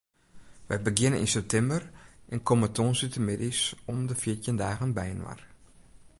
Wy begjinne yn septimber en komme tongersdeitemiddeis om de fjirtjin dagen byinoar.